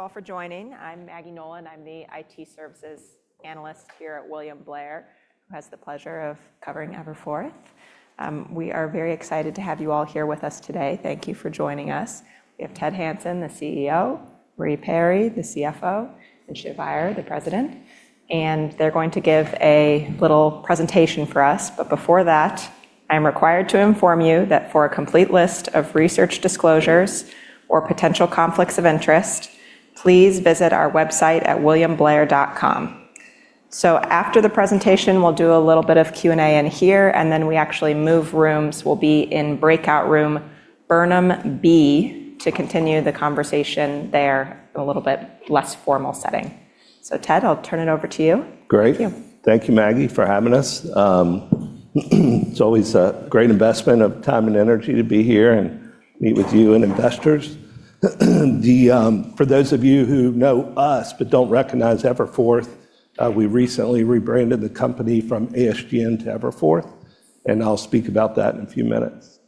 Thank you all for joining. I'm Maggie Nolan. I'm the IT services analyst here at William Blair, who has the pleasure of covering Everforth. We are very excited to have you all here with us today. Thank you for joining us. We have Ted Hanson, the CEO, Marie Perry, the CFO, and Shiv Iyer, the President, and they're going to give a little presentation for us. Before that, I'm required to inform you that for a complete list of research disclosures or potential conflicts of interest, please visit our website at williamblair.com. After the presentation, we'll do a little bit of Q&A in here, and then we actually move rooms. We'll be in breakout room Burnham B to continue the conversation there in a little bit less formal setting. Ted, I'll turn it over to you. Great. Thank you. Thank you, Maggie, for having us. It's always a great investment of time and energy to be here and meet with you and investors. For those of you who know us but don't recognize Everforth, we recently rebranded the company from ASGN to Everforth, and I'll speak about that in a few minutes.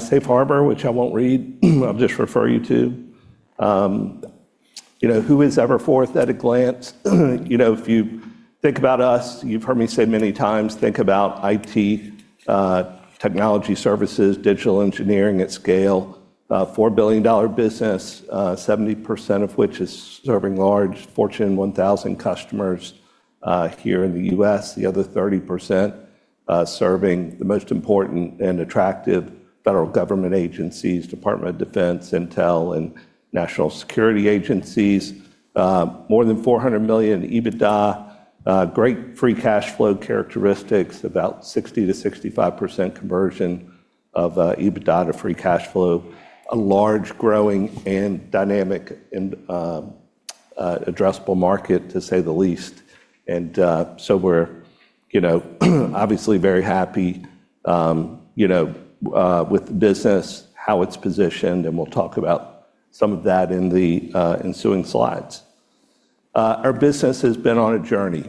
Safe harbor, which I won't read, I'll just refer you to. Who is Everforth at a glance? If you think about us, you've heard me say many times, think about IT, technology services, digital engineering at scale. A $4 billion business, 70% of which is serving large Fortune 1000 customers here in the U.S. The other 30% serving the most important and attractive federal government agencies, Department of Defense, intel, and national security agencies. More than $400 million in EBITDA. Great free cash flow characteristics, about 60%-65% conversion of EBITDA to free cash flow. A large, growing, and dynamic, and addressable market, to say the least. We're obviously very happy with the business, how it's positioned, and we'll talk about some of that in the ensuing slides. Our business has been on a journey.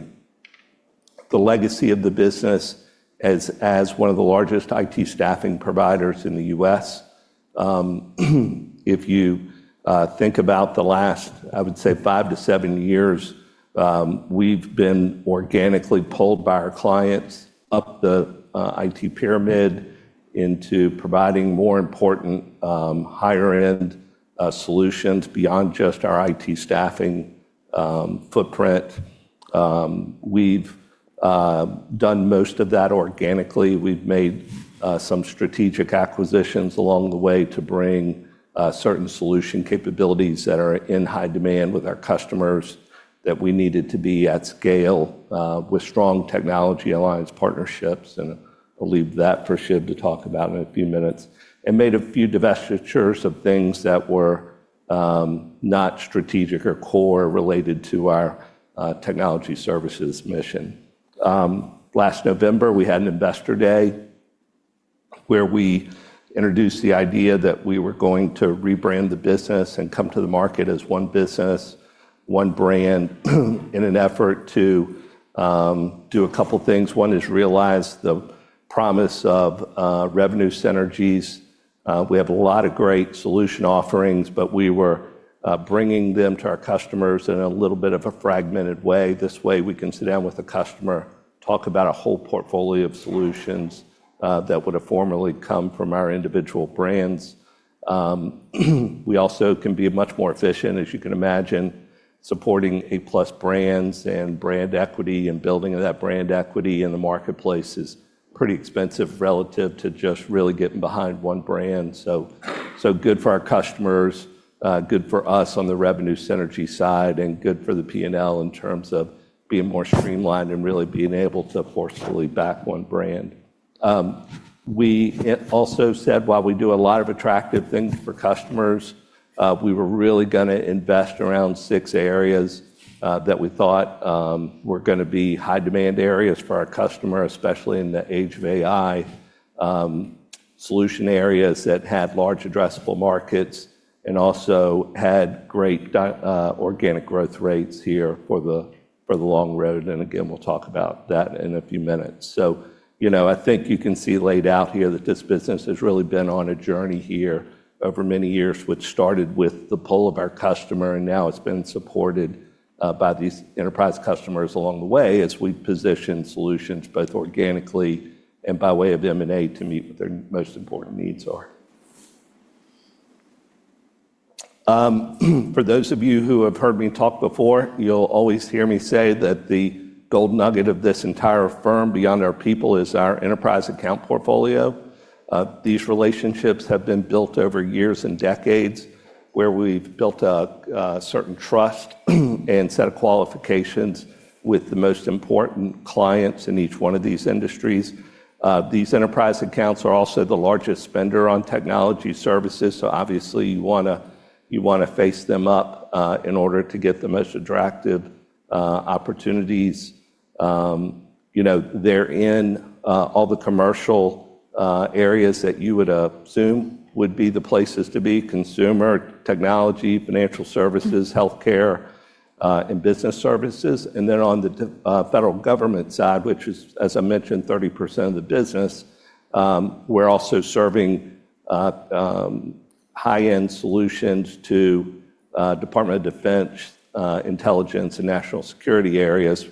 The legacy of the business as one of the largest IT staffing providers in the U.S. If you think about the last, I would say five to seven years, we've been organically pulled by our clients up the IT pyramid into providing more important, higher-end solutions beyond just our IT staffing footprint. We've done most of that organically. We've made some strategic acquisitions along the way to bring certain solution capabilities that are in high demand with our customers that we needed to be at scale with strong technology alliance partnerships, and I'll leave that for Shiv to talk about in a few minutes. Made a few divestitures of things that were not strategic or core related to our technology services mission. Last November, we had an investor day where we introduced the idea that we were going to rebrand the business and come to the market as one business, one brand, in an effort to do a couple things. One is realize the promise of revenue synergies. We have a lot of great solution offerings, but we were bringing them to our customers in a little bit of a fragmented way. This way, we can sit down with a customer, talk about a whole portfolio of solutions that would have formerly come from our individual brands. We also can be much more efficient, as you can imagine, supporting A+ brands and brand equity and building that brand equity in the marketplace is pretty expensive relative to just really getting behind one brand. Good for our customers, good for us on the revenue synergy side, and good for the P&L in terms of being more streamlined and really being able to forcefully back one brand. We also said while we do a lot of attractive things for customers, we were really going to invest around six areas that we thought were going to be high-demand areas for our customer, especially in the age of AI. Solution areas that had large addressable markets and also had great organic growth rates here for the long road, and again, we'll talk about that in a few minutes. I think you can see laid out here that this business has really been on a journey here over many years, which started with the pull of our customer, and now it's been supported by these enterprise customers along the way as we position solutions, both organically and by way of M&A to meet what their most important needs are. For those of you who have heard me talk before, you'll always hear me say that the gold nugget of this entire firm, beyond our people, is our enterprise account portfolio. These relationships have been built over years and decades, where we've built a certain trust and set of qualifications with the most important clients in each one of these industries. These enterprise accounts are also the largest spender on technology services, so obviously you want to face them up in order to get the most attractive opportunities. They're in all the commercial areas that you would assume would be the places to be: consumer, technology, financial services, healthcare, business services, and then on the federal government side, which is, as I mentioned, 30% of the business, we're also serving high-end solutions to Department of Defense, intelligence, and national security areas,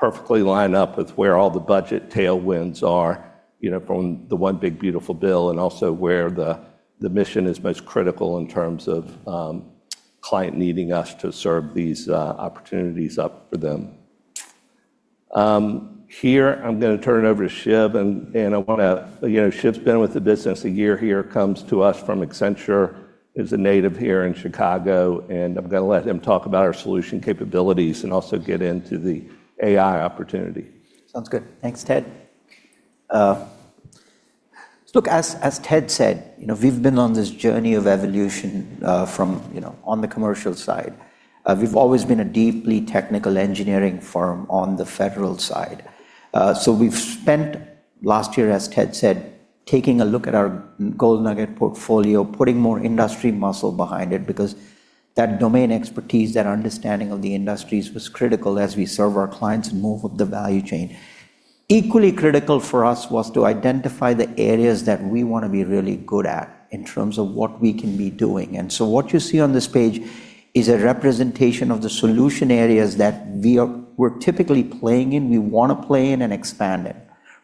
which perfectly line up with where all the budget tailwinds are from the one big beautiful bill, and also where the mission is most critical in terms of client needing us to serve these opportunities up for them. Here, I'm going to turn it over to Shiv. Shiv's been with the business a year here, comes to us from Accenture, is a native here in Chicago, and I'm going to let him talk about our solution capabilities and also get into the AI opportunity. Sounds good. Thanks, Ted. Look, as Ted said, we've been on this journey of evolution from on the commercial side. We've always been a deeply technical engineering firm on the federal side. We've spent last year, as Ted said, taking a look at our gold nugget portfolio, putting more industry muscle behind it because that domain expertise, that understanding of the industries was critical as we serve our clients and move up the value chain. Equally critical for us was to identify the areas that we want to be really good at in terms of what we can be doing. What you see on this page is a representation of the solution areas that we're typically playing in, we want to play in, and expand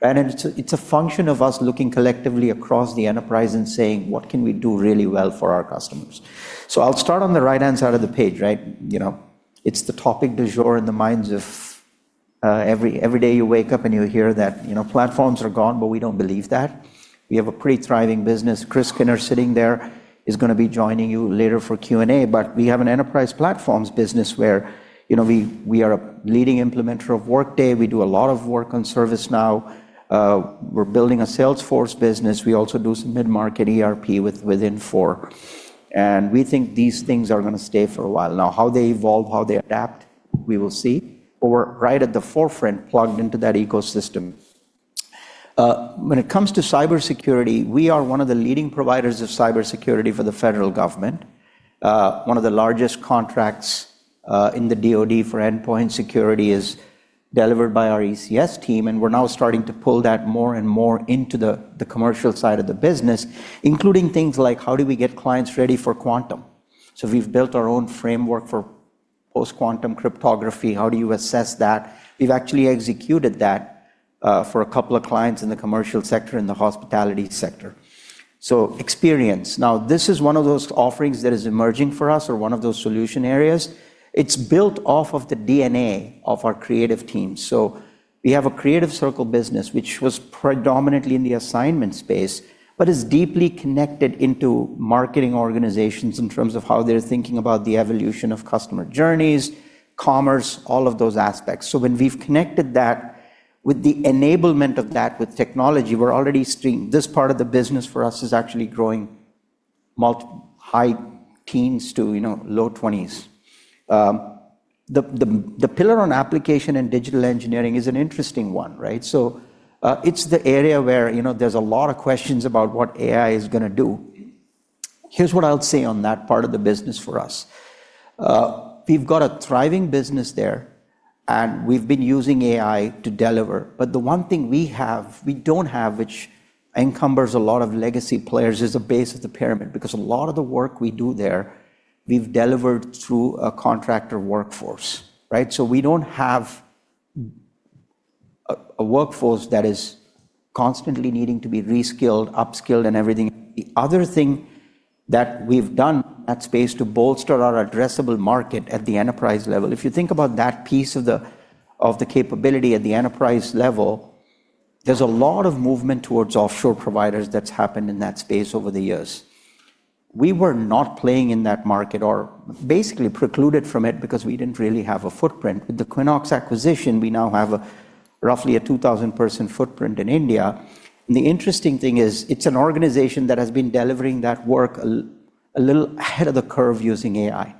in. It's a function of us looking collectively across the enterprise and saying, "What can we do really well for our customers?" I'll start on the right-hand side of the page. It's the topic du jour in the minds of every day you wake up and you hear that platforms are gone, but we don't believe that. We have a pretty thriving business. Chris Skinner sitting there, is going to be joining you later for Q&A, but we have an enterprise platforms business where we are a leading implementer of Workday. We do a lot of work on ServiceNow. We're building a Salesforce business. We also do some mid-market ERP with Infor, and we think these things are going to stay for a while. How they evolve, how they adapt, we will see, but we're right at the forefront plugged into that ecosystem. When it comes to cybersecurity, we are one of the leading providers of cybersecurity for the federal government. One of the largest contracts in the DoD for endpoint security is delivered by our ECS team, and we're now starting to pull that more and more into the commercial side of the business, including things like how do we get clients ready for quantum? We've built our own framework for post-quantum cryptography. How do you assess that? We've actually executed that for a couple of clients in the commercial sector and the hospitality sector. Experience. Now, this is one of those offerings that is emerging for us or one of those solution areas. It's built off of the DNA of our Creative team. We have a Creative Circle business, which was predominantly in the assignment space, but is deeply connected into marketing organizations in terms of how they're thinking about the evolution of customer journeys, commerce, all of those aspects. When we've connected that with the enablement of that with technology, we're already seeing this part of the business for us is actually growing high teens to low 20s. The pillar on application and digital engineering is an interesting one. It's the area where there's a lot of questions about what AI is going to do. Here's what I'll say on that part of the business for us. We've got a thriving business there, and we've been using AI to deliver. The one thing we don't have, which encumbers a lot of legacy players, is the base of the pyramid, because a lot of the work we do there, we've delivered through a contractor workforce. We don't have a workforce that is constantly needing to be reskilled, upskilled, and everything. The other thing that we've done in that space to bolster our addressable market at the enterprise level, if you think about that piece of the capability at the enterprise level, there's a lot of movement towards offshore providers that's happened in that space over the years. We were not playing in that market or basically precluded from it because we didn't really have a footprint. With the Quinnox acquisition, we now have roughly a 2,000-person footprint in India. The interesting thing is, it's an organization that has been delivering that work a little ahead of the curve using AI,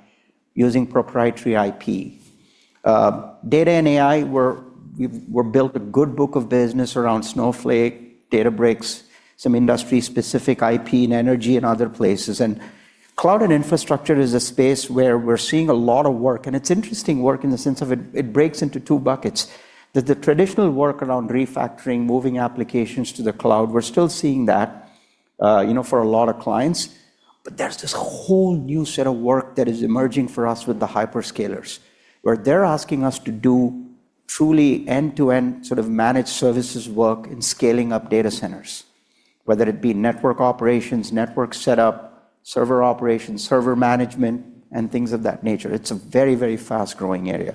using proprietary IP. Data and AI, we've built a good book of business around Snowflake, Databricks, some industry-specific IP and energy in other places. Cloud and infrastructure is a space where we're seeing a lot of work, and it's interesting work in the sense of it breaks into two buckets. The traditional work around refactoring, moving applications to the cloud, we're still seeing that for a lot of clients. There's this whole new set of work that is emerging for us with the hyperscalers, where they're asking us to do truly end-to-end managed services work in scaling up data centers, whether it be network operations, network set up, server operations, server management, and things of that nature. It's a very, very fast-growing area.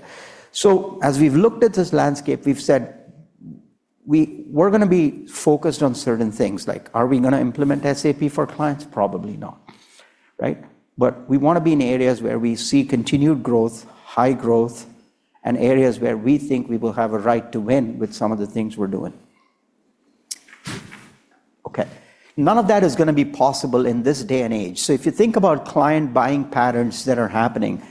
As we've looked at this landscape, we've said we're going to be focused on certain things, like are we going to implement SAP for clients? Probably not. We want to be in areas where we see continued growth, high growth, and areas where we think we will have a right to win with some of the things we're doing. Okay. None of that is going to be possible in this day and age. If you think about client buying patterns that are happening,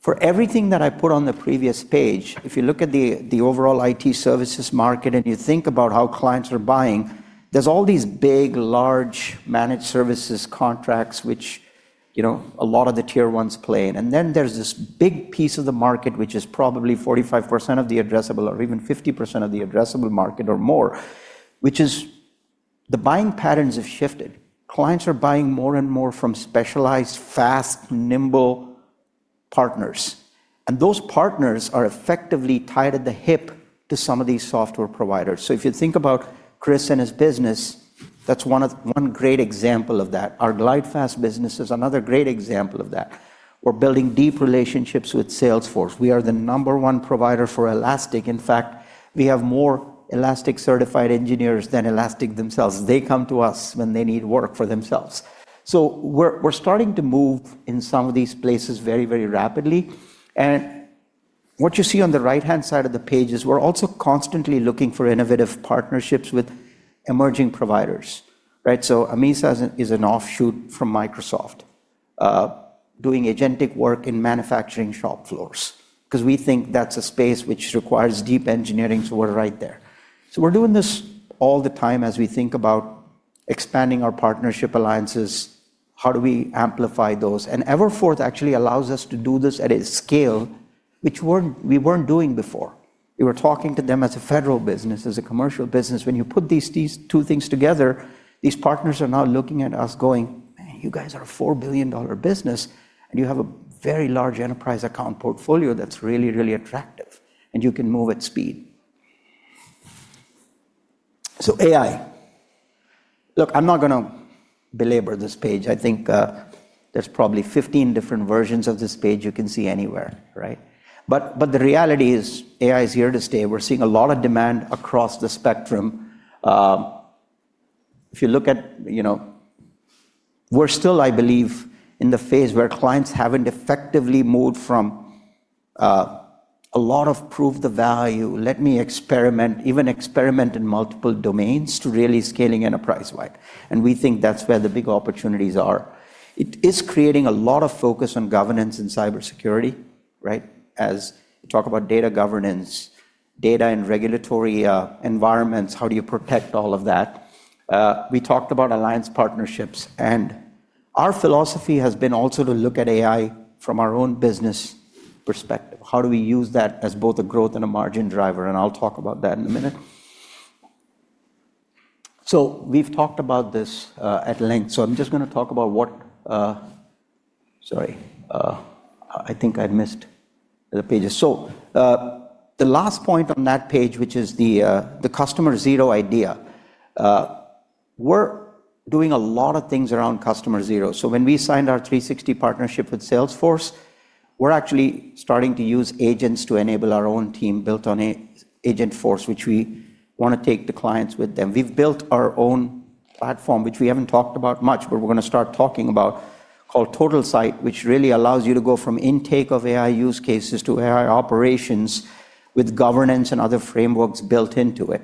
for everything that I put on the previous page, if you look at the overall IT services market and you think about how clients are buying. There're all these big, large managed services contracts which a lot of the tier ones play in. There's this big piece of the market, which is probably 45% of the addressable, or even 50% of the addressable market or more, which is the buying patterns have shifted. Clients are buying more and more from specialized, fast, nimble partners. Those partners are effectively tied at the hip to some of these software providers. If you think about Chris and his business, that's one great example of that. Our GlideFast business is another great example of that. We're building deep relationships with Salesforce. We are the number one provider for Elastic. In fact, we have more Elastic-certified engineers than Elastic themselves. They come to us when they need work for themselves. We're starting to move in some of these places very rapidly. What you see on the right-hand side of the page is we're also constantly looking for innovative partnerships with emerging providers. Right. Maisa is an offshoot from Microsoft, doing agentic work in manufacturing shop floors, because we think that's a space which requires deep engineering, so we're right there. We're doing this all the time as we think about expanding our partnership alliances. How do we amplify those? Everforth actually allows us to do this at a scale which we weren't doing before. We were talking to them as a federal business, as a commercial business. When you put these two things together, these partners are now looking at us going, "Man, you guys are a $4 billion business, and you have a very large enterprise account portfolio that's really, really attractive, and you can move at speed." AI. Look, I'm not going to belabor this page. I think there's probably 15 different versions of this page you can see anywhere, right. The reality is AI is here to stay. We're seeing a lot of demand across the spectrum. We're still, I believe, in the phase where clients haven't effectively moved from a lot of prove the value, let me experiment, even experiment in multiple domains, to really scaling enterprise-wide. We think that's where the big opportunities are. It is creating a lot of focus on governance and cybersecurity, right? As we talk about data governance, data and regulatory environments, how do you protect all of that? We talked about alliance partnerships, and our philosophy has been also to look at AI from our own business perspective. How do we use that as both a growth and a margin driver? I'll talk about that in a minute. We've talked about this at length. I'm just going to talk about what Sorry. I think I missed the pages. The last point on that page, which is the Customer Zero idea. We're doing a lot of things around Customer Zero. When we signed our 360 partnership with Salesforce, we're actually starting to use agents to enable our own team built on Agentforce, which we want to take the clients with them. We've built our own platform, which we haven't talked about much, but we're going to start talking about, called TotalSite, which really allows you to go from intake of AI use cases to AI operations with governance and other frameworks built into it.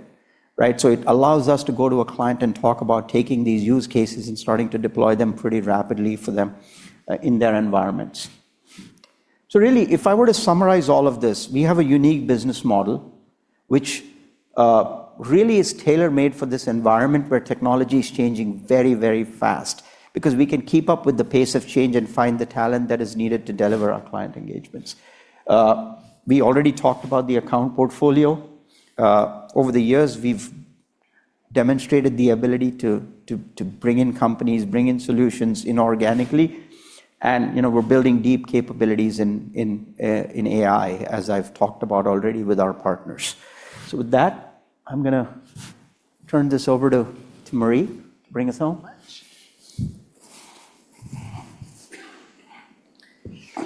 Right? It allows us to go to a client and talk about taking these use cases and starting to deploy them pretty rapidly for them in their environments. Really, if I were to summarize all of this, we have a unique business model, which really is tailor-made for this environment where technology is changing very, very fast. We can keep up with the pace of change and find the talent that is needed to deliver our client engagements. We already talked about the account portfolio. Over the years, we've demonstrated the ability to bring in companies, bring in solutions inorganically. We're building deep capabilities in AI, as I've talked about already with our partners. With that, I'm going to turn this over to Marie to bring us home.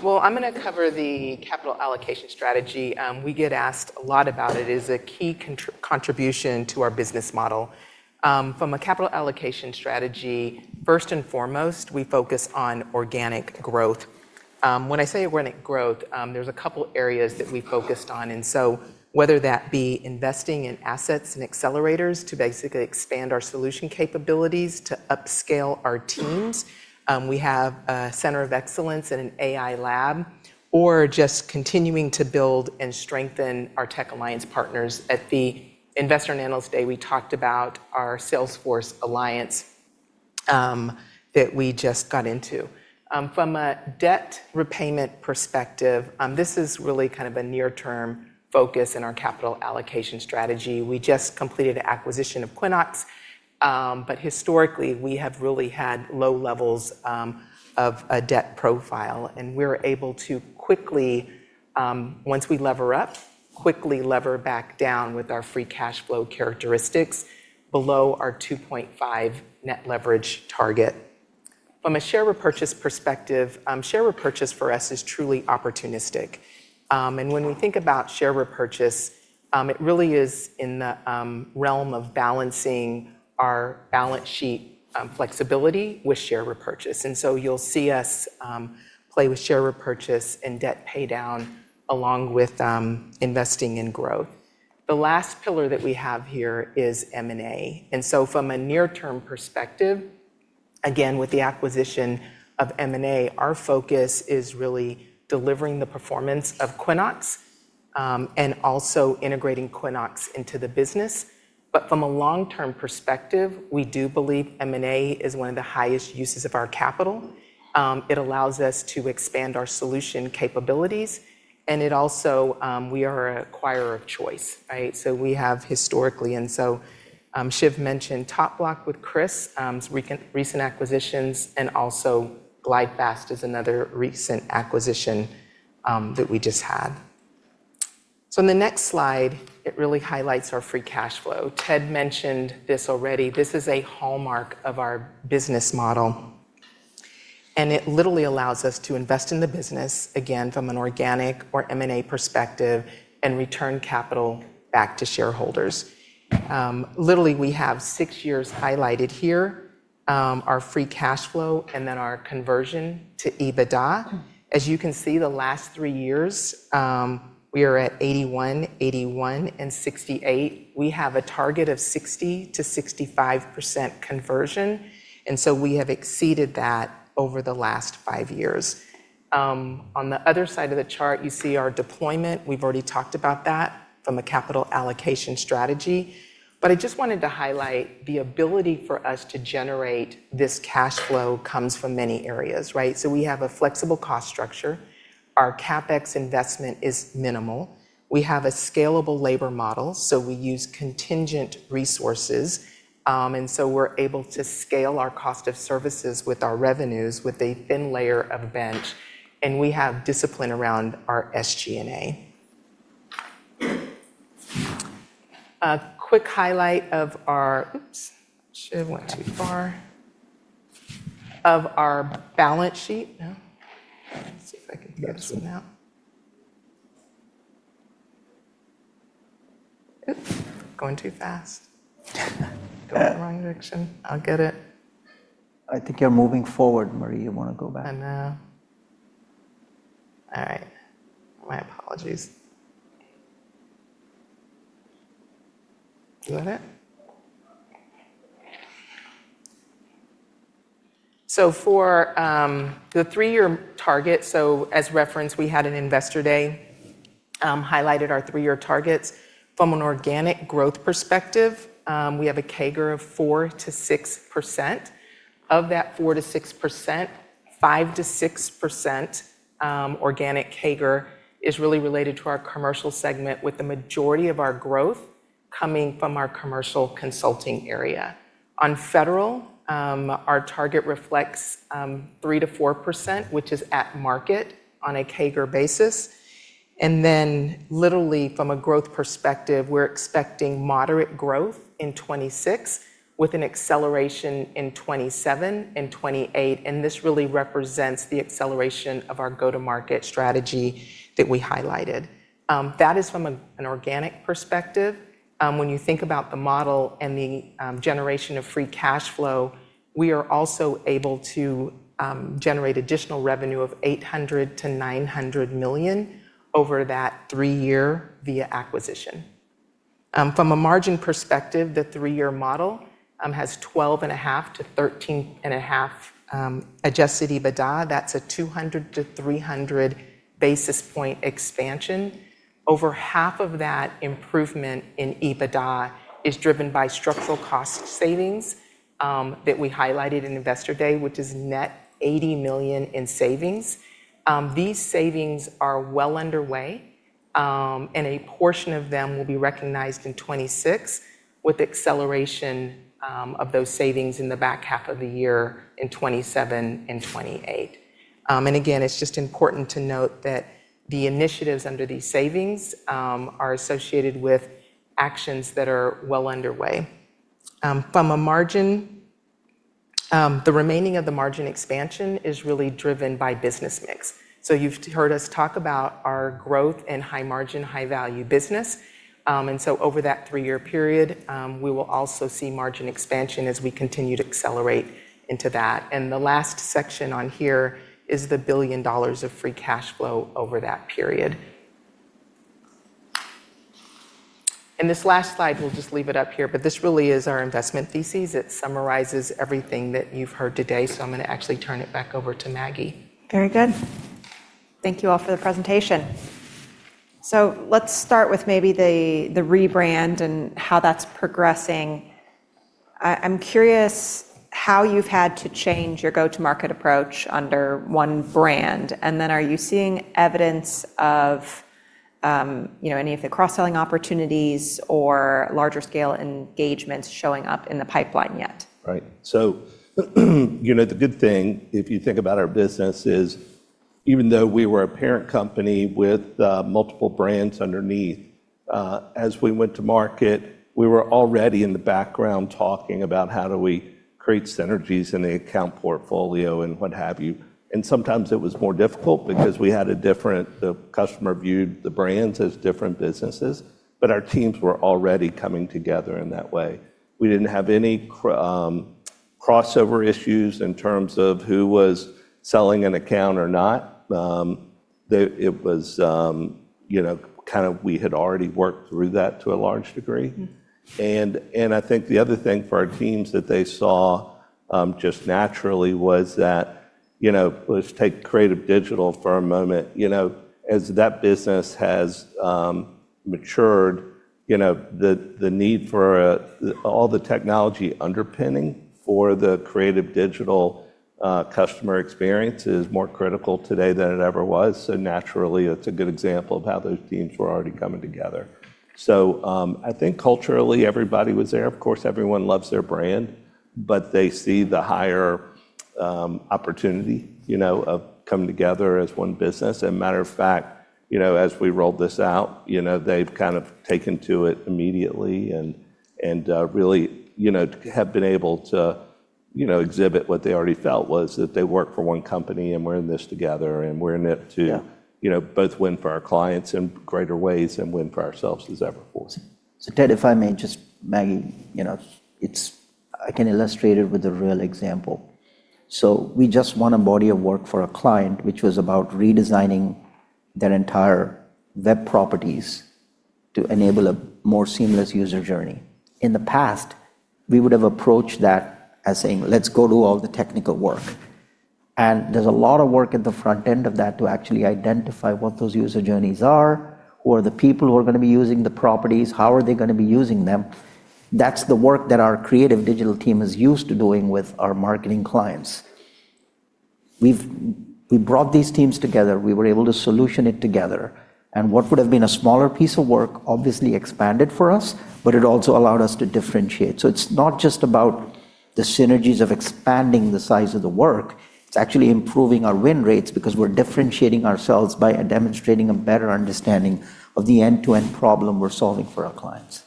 Well, I'm going to cover the capital allocation strategy. We get asked a lot about it. It is a key contribution to our business model. From a capital allocation strategy, first and foremost, we focus on organic growth. When I say organic growth, there's a couple areas that we focused on. Whether that be investing in assets and accelerators to basically expand our solution capabilities to upscale our teams. We have a center of excellence and an AI lab. Just continuing to build and strengthen our tech alliance partners. At the Investor and Analyst Day, we talked about our Salesforce alliance that we just got into. From a debt repayment perspective, this is really a near-term focus in our capital allocation strategy. We just completed the acquisition of Quinnox, historically, we have really had low levels of a debt profile, and we're able to, once we lever up, quickly lever back down with our free cash flow characteristics below our 2.5 net leverage target. From a share repurchase perspective, share repurchase for us is truly opportunistic. When we think about share repurchase, it really is in the realm of balancing our balance sheet flexibility with share repurchase. You'll see us play with share repurchase and debt paydown along with investing in growth. The last pillar that we have here is M&A. From a near-term perspective, again, with the acquisition of M&A, our focus is really delivering the performance of Quinnox, and also integrating Quinnox into the business. From a long-term perspective, we do believe M&A is one of the highest uses of our capital. It allows us to expand our solution capabilities. Also, we are an acquirer of choice, right? We have historically Shiv mentioned TopBloc with Chris, recent acquisitions, and also GlideFast is another recent acquisition that we just had. In the next slide, it really highlights our free cash flow. Ted mentioned this already. This is a hallmark of our business model. It literally allows us to invest in the business, again, from an organic or M&A perspective, and return capital back to shareholders. Literally, we have six years highlighted here, our free cash flow, and then our conversion to EBITDA. As you can see, the last three years, we are at 81%, 81%, and 68%. We have a target of 60%-65% conversion, we have exceeded that over the last five years. On the other side of the chart, you see our deployment. We've already talked about that from a capital allocation strategy. I just wanted to highlight the ability for us to generate this cash flow comes from many areas, right? We have a flexible cost structure. Our CapEx investment is minimal. We have a scalable labor model, so we use contingent resources. We're able to scale our cost of services with our revenues with a thin layer of bench, and we have discipline around our SG&A. A quick highlight of our balance sheet now. Oops. Should've went too far. Let's see if I can figure this one out. Oops. Going too fast. Going the wrong direction. I'll get it. I think you're moving forward, Marie. You want to go back. I know. All right. My apologies. Doing it? For the three-year target, so as referenced, we had an Investor Day, highlighted our three-year targets. From an organic growth perspective, we have a CAGR of 4%-6%. Of that 4%-6%, 5%-6% organic CAGR is really related to our commercial segment, with the majority of our growth coming from our commercial consulting area. On federal, our target reflects 3%-4%, which is at market on a CAGR basis. Literally from a growth perspective, we're expecting moderate growth in 2026, with an acceleration in 2027 and 2028, and this really represents the acceleration of our go-to-market strategy that we highlighted. That is from an organic perspective. When you think about the model and the generation of free cash flow, we are also able to generate additional revenue of $800 million-$900 million over that three-year via acquisition. From a margin perspective, the three-year model has 12.5%-13.5% adjusted EBITDA. That's a 200 basis point-300 basis point expansion. Over half of that improvement in EBITDA is driven by structural cost savings that we highlighted in Investor Day, which is net $80 million in savings. These savings are well underway, a portion of them will be recognized in 2026, with acceleration of those savings in the back half of the year in 2027 and 2028. Again, it's just important to note that the initiatives under these savings are associated with actions that are well underway. From a margin, the remaining of the margin expansion is really driven by business mix. You've heard us talk about our growth and high margin, high value business. Over that three-year period, we will also see margin expansion as we continue to accelerate into that. The last section on here is the $1 billion of free cash flow over that period. This last slide, we'll just leave it up here, but this really is our investment thesis. It summarizes everything that you've heard today, I'm going to actually turn it back over to Maggie. Very good. Thank you all for the presentation. Let's start with maybe the rebrand and how that's progressing. I'm curious how you've had to change your go-to-market approach under one brand. Are you seeing evidence of any of the cross-selling opportunities or larger scale engagements showing up in the pipeline yet? Right. The good thing, if you think about our business, is even though we were a parent company with multiple brands underneath, as we went to market, we were already in the background talking about how do we create synergies in the account portfolio and what have you. Sometimes it was more difficult because the customer viewed the brands as different businesses. Our teams were already coming together in that way. We didn't have any crossover issues in terms of who was selling an account or not. It was, we had already worked through that to a large degree. I think the other thing for our teams that they saw just naturally was that, let's take Creative Digital for a moment. As that business has matured, the need for all the technology underpinning for the Creative Digital customer experience is more critical today than it ever was. Naturally, it's a good example of how those teams were already coming together. I think culturally everybody was there. Of course, everyone loves their brand, but they see the higher opportunity of coming together as one business. Matter of fact, as we rolled this out, they've taken to it immediately and really have been able to exhibit what they already felt was that they work for one company and we're in this together. Yeah. Both win for our clients in greater ways and win for ourselves as Everforth. Ted, if I may just, Maggie, I can illustrate it with a real example. We just won a body of work for a client, which was about redesigning their entire web properties to enable a more seamless user journey. In the past, we would have approached that as saying, "Let's go do all the technical work." There's a lot of work at the front end of that to actually identify what those user journeys are, who are the people who are going to be using the properties, how are they going to be using them. That's the work that our Creative Digital team is used to doing with our marketing clients. We brought these teams together, we were able to solution it together, and what would have been a smaller piece of work obviously expanded for us, but it also allowed us to differentiate. It's not just about the synergies of expanding the size of the work, it's actually improving our win rates because we're differentiating ourselves by demonstrating a better understanding of the end-to-end problem we're solving for our clients.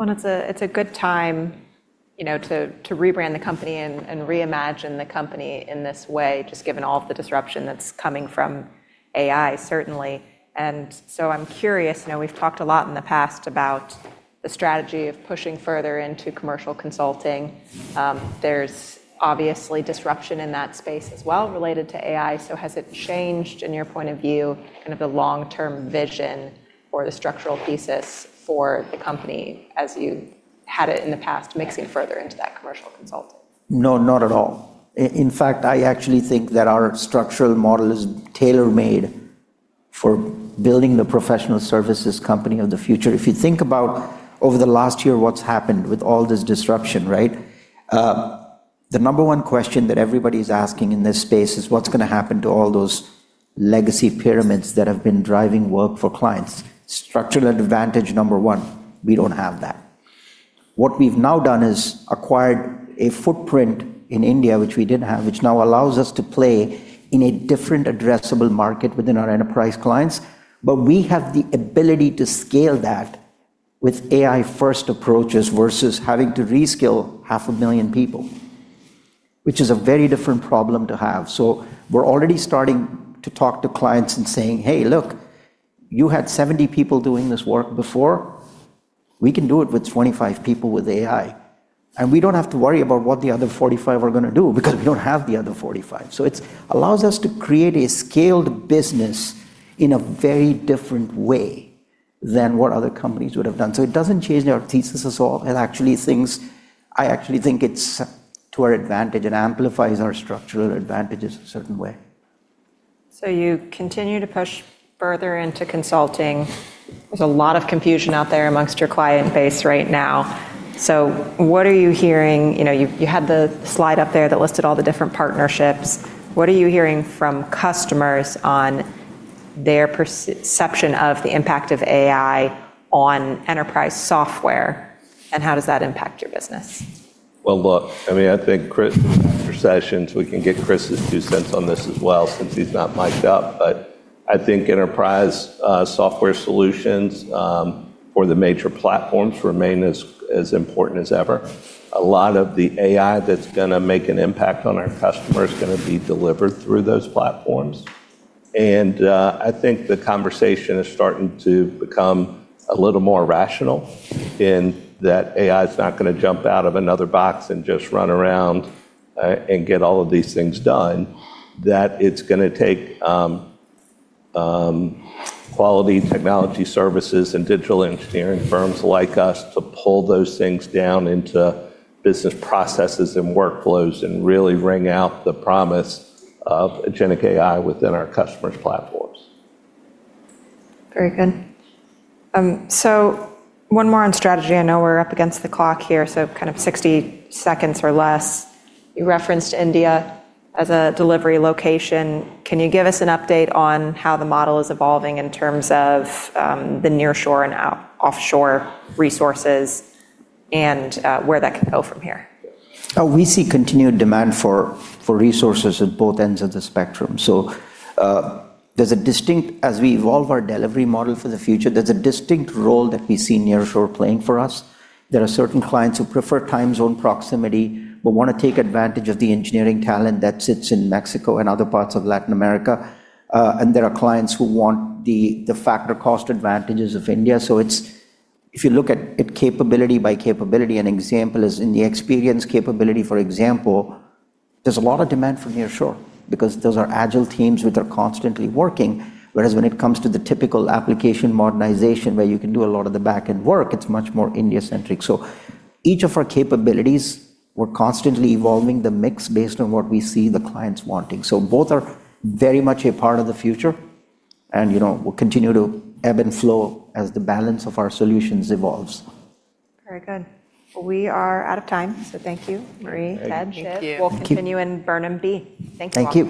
It's a good time to rebrand the company and reimagine the company in this way, just given all of the disruption that's coming from AI, certainly. I'm curious, we've talked a lot in the past about the strategy of pushing further into commercial consulting. There's obviously disruption in that space as well related to AI. Has it changed, in your point of view, kind of the long-term vision or the structural thesis for the company as you had it in the past mixing further into that commercial consulting? No, not at all. I actually think that our structural model is tailor-made for building the professional services company of the future. If you think about over the last year what's happened with all this disruption, right? The number one question that everybody's asking in this space is what's going to happen to all those legacy pyramids that have been driving work for clients. Structural advantage number one, we don't have that. What we've now done is acquired a footprint in India, which we didn't have, which now allows us to play in a different addressable market within our enterprise clients. We have the ability to scale that with AI first approaches versus having to reskill half a million people, which is a very different problem to have. We're already starting to talk to clients and saying, "Hey, look, you had 70 people doing this work before. We can do it with 25 people with AI." We don't have to worry about what the other 45 are going to do because we don't have the other 45. It allows us to create a scaled business in a very different way than what other companies would have done. It doesn't change our thesis at all. I actually think it's to our advantage. It amplifies our structural advantages a certain way. You continue to push further into consulting. There's a lot of confusion out there amongst your client base right now. What are you hearing? You had the slide up there that listed all the different partnerships. What are you hearing from customers on their perception of the impact of AI on enterprise software, and how does that impact your business? Well, look, I think Chris, after sessions, we can get Chris's $0.02 On this as well since he's not mic'd up. I think enterprise software solutions for the major platforms remain as important as ever. A lot of the AI that's going to make an impact on our customers is going to be delivered through those platforms. I think the conversation is starting to become a little more rational in that AI's not going to jump out of another box and just run around and get all of these things done. That it's going to take quality technology services and digital engineering firms like us to pull those things down into business processes and workflows and really wring out the promise of agentic AI within our customers' platforms. Very good. One more on strategy. I know we're up against the clock here, kind of 60 seconds or less. You referenced India as a delivery location. Can you give us an update on how the model is evolving in terms of the nearshore and offshore resources and where that can go from here? We see continued demand for resources at both ends of the spectrum. As we evolve our delivery model for the future, there's a distinct role that we see nearshore playing for us. There are certain clients who prefer time zone proximity but want to take advantage of the engineering talent that sits in Mexico and other parts of Latin America. There are clients who want the factor cost advantages of India. If you look at capability by capability, an example is in the experience capability, for example, there's a lot of demand for nearshore because those are agile teams which are constantly working. Whereas when it comes to the typical application modernization where you can do a lot of the back-end work, it's much more India-centric. Each of our capabilities, we're constantly evolving the mix based on what we see the clients wanting. Both are very much a part of the future and will continue to ebb and flow as the balance of our solutions evolves. Very good. We are out of time, so thank you, Marie, Ted, Shiv. Thank you. We'll continue in Burnham B. Thanks all.